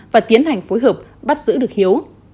và tiến hành phối hợp bắt giữ được hiếu